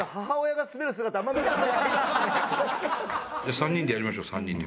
３人でやりましょう３人で。